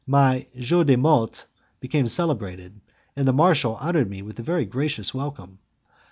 My 'jeu de mots' became celebrated, and the marshal honoured me with a very gracious welcome.